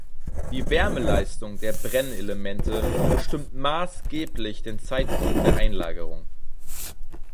Die Wärmeleistung der Brennelemente bestimmt maßgeblich den Zeitpunkt der Einlagerung.